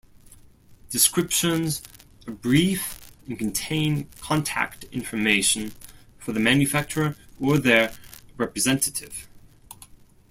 Descriptions are brief and contain contact information for the manufacturer or their representative.